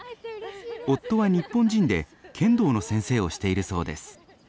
夫は日本人で剣道の先生をしているそうです。